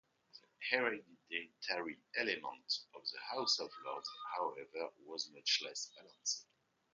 The hereditary element of the House of Lords, however, was much less balanced.